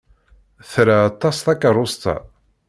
Tra aṭas takeṛṛust-a.